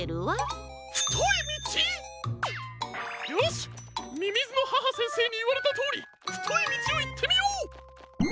よしみみずの母先生にいわれたとおりふといみちをいってみよう！